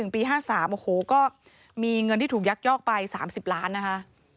ปี๕๓โอ้โหก็มีเงินที่ถูกยักยอกไป๓๐ล้านนะคะ